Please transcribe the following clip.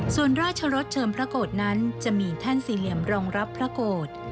ส่วนราชรสเชิมพระโกรธนั้นจะมีแท่นสี่เหลี่ยมรองรับพระโกรธ